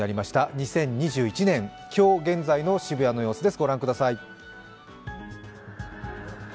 ２０２１年、今日現在の渋谷の様子です。